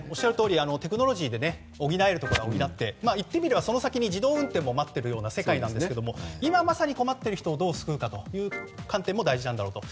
テクノロジーで補えるところは補っていってみればその先に自動運転も待っているような世界ですが今まさに困っている人をどう救うかという観点も大事なんだろうと。